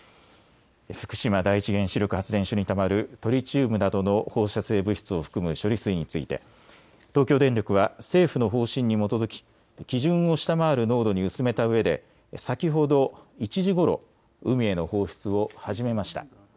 福島第一原子力発電所にたまるトリチウムなどの放射性物質を含む処理水について東京電力は政府の方針に基づき基準を下回る濃度に薄めたうえで先ほど１時ごろ海への放出を始めました。